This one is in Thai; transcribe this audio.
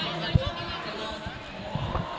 มีใครปิดปาก